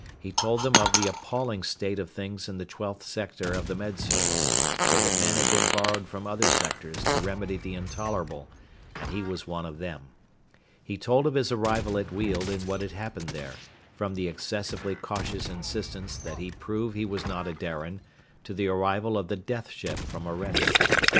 He told them of the appalling state of things in the Twelfth Sector of the Med Service, so that men had been borrowed from other sectors to remedy the intolerable, and he was one of them. He told of his arrival at Weald and what had happened there, from the excessively cautious insistence that he prove he was not a Darian, to the arrival of the death ship from Orede.